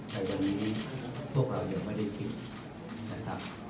แต่วันนี้พวกเรายังไม่ได้คิดนะครับ